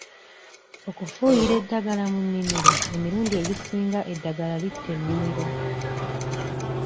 Okufuuyira eddagala mu nimiro emirundi egisinga eddagala litta enimiro.